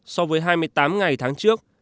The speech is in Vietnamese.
so với hai mươi tám ngày tháng trước